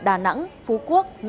đà nẵng phú quốc nha trang côn đảo